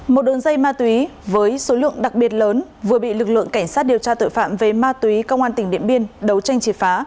một đường dây ma túy với số lượng đặc biệt lớn vừa bị lực lượng cảnh sát điều tra tội phạm về ma túy công an tỉnh điện biên đấu tranh triệt phá